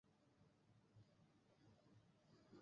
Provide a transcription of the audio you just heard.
এই ধারাবাহিকটি ও হ্যাঁ!